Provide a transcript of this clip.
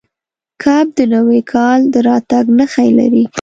کب د نوي کال د راتګ نښې لري.